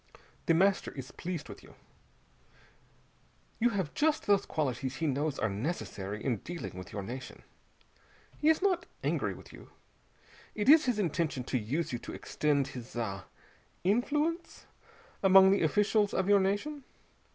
The Master is pleased with you. You have just those qualities he knows are necessary in dealing with your nation. He is not angry with you. It is his intention to use you to extend his ah influence among the officials of your nation.